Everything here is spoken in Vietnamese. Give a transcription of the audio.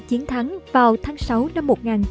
chiến thắng vào tháng sáu năm một nghìn chín trăm năm mươi